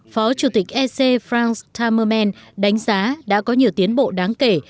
phó chủ tịch ec franz tammermann đánh giá đã có nhiều tiến bộ đáng kể